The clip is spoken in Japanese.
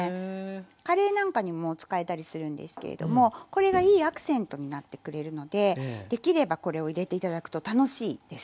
カレーなんかにも使えたりするんですけれどもこれがいいアクセントになってくれるのでできればこれを入れて頂くと楽しいです。